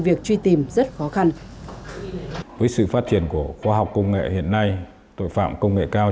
việc truy tìm rất khó khăn với sự phát triển của khoa học công nghệ hiện nay tội phạm công nghệ cao